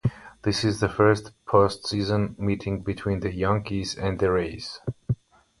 This is the first postseason meeting between the Yankees and the Rays.